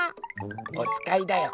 おつかいだよ。